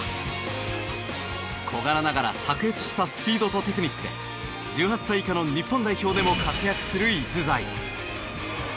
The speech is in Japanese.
小柄ながら卓越したスピードとテクニックで１８歳以下の日本代表でも活躍する逸材。